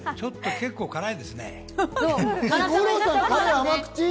結構、辛いですね。